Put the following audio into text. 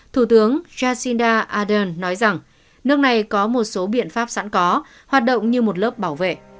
thủ tướng jacinda ardern nói rằng nước này có một số biện pháp sẵn có hoạt động như một lớp bảo vệ